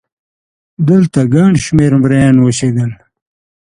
دلته ګڼ شمېر مریان اوسېدل